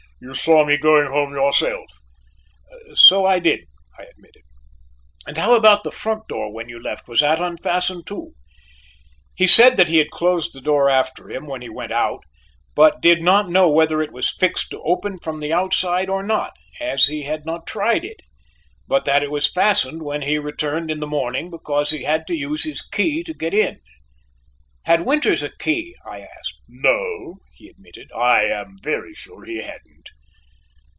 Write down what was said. You saw me going home yourself." "So I did," I admitted; "and how about the front door when you left, was that unfastened, too?" He said that he had closed the door after him when he went out, but did not know whether it was fixed to open from the outside or not as he had not tried it, but that it was fastened when he returned in the morning because he had to use his key to get in. "Had Winters a key?" I asked. "No," he admitted, "I am very sure he hadn't."